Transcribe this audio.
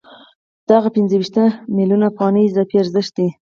دغه پنځه ویشت میلیونه افغانۍ اضافي ارزښت دی